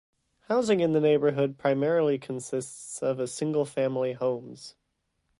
Housing in the neighbourhood primarily consists of single-family homes.